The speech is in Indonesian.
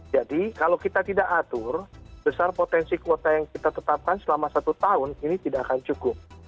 jadi kalau kita tidak atur besar potensi kuota yang kita tetapkan selama satu tahun ini tidak akan cukup